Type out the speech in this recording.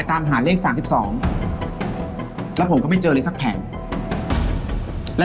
สนุกสนุกสนุกสนุกสนุกสนุก